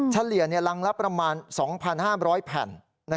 เฉลี่ยรังละประมาณ๒๕๐๐แผ่น